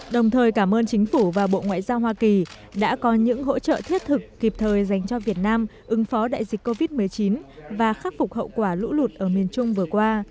đồng thời cảm ơn chính phủ và bộ ngoại giao hoa kỳ đã có những hỗ trợ thiết thực kịp thời dành cho việt nam ứng phó đại dịch covid một mươi chín và khắc phục hậu quả lũ lụt ở miền trung vừa qua